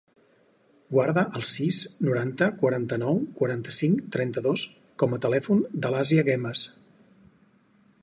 Guarda el sis, noranta, quaranta-nou, quaranta-cinc, trenta-dos com a telèfon de l'Asia Guemes.